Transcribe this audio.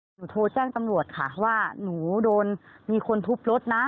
โทรแจ้งตำรวจค่ะว่าหนูโดนมีคนทุบรถนะ